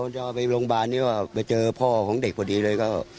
พอจะไปโรงพยาบาลนี้ไปเจอพ่อของเด็กพอดีเลย